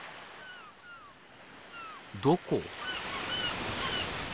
どこ？